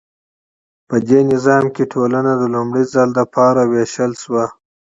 په دې نظام کې ټولنه د لومړي ځل لپاره ویشل شوه.